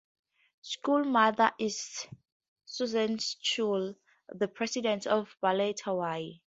Schull's mother is Susan Schull, the President of Ballet Hawaii.